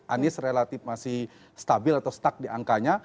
anies relatif masih stabil atau stuck di angkanya